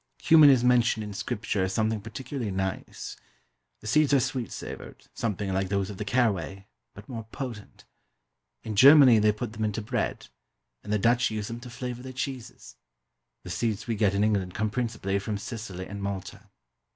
CUMIN is mentioned in Scripture as something particularly nice. The seeds are sweet savoured, something like those of the caraway, but more potent. In Germany they put them into bread, and the Dutch use them to flavour their cheeses. The seeds we get in England come principally from Sicily and Malta.